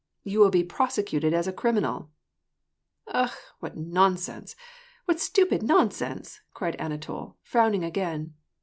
You will be prosecuted as a criminal "—" Akh ! what nonsense ! what stupid nonsense !" cried Anatol, frowning again.